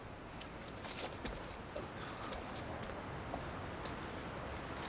あっ。